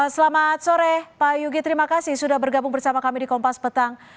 selamat sore pak yugi terima kasih sudah bergabung bersama kami di kompas petang